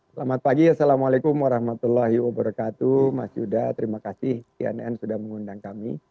selamat pagi assalamualaikum wr wb mas yuda terima kasih tnn sudah mengundang kami